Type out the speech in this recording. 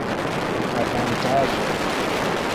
avantaĝo